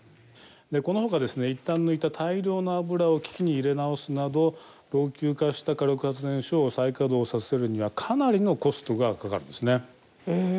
このほかですね一旦抜いた大量の油を機器に入れ直すなど老朽化した火力発電所を再稼働させるにはかなりのコストがかかるんですね